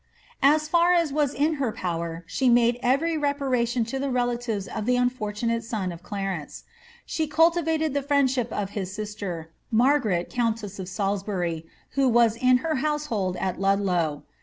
As far as was in her power she made every reparation to the relatives of the unfortunate son of Clarence. She cultivated the friendship of his sister, Margaret countess of Salisbury, who was in her household at Ludlow.